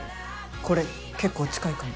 これ結構近いかも。